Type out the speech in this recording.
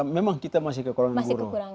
memang kita masih kekurangan guru